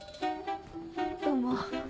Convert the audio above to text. ・どうも。